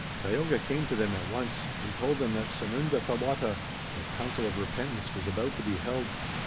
Tayoga came to them at once and told them that Sanundathawata, the council of repentance, was about to be held.